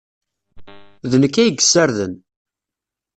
D nekk ay yessarden.